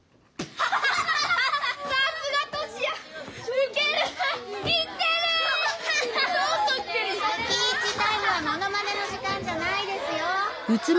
スピーチタイムはものまねの時間じゃないですよ！